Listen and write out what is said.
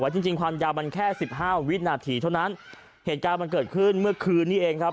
จริงจริงความยาวมันแค่สิบห้าวินาทีเท่านั้นเหตุการณ์มันเกิดขึ้นเมื่อคืนนี้เองครับ